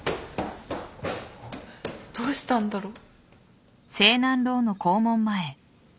どうしたんだろう？